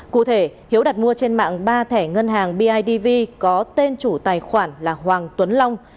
cụ thể hiếu đặt mua trên mạng ba thẻ ngân hàng bidv có tên chủ tài khoản là hoàng tuấn long